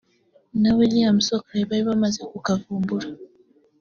na William Shockley bari bamaze kukavumbura